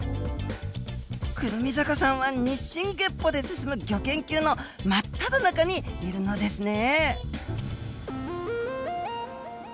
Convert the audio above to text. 胡桃坂さんは日進月歩で進むギョ研究の真っただ中にいるのですね。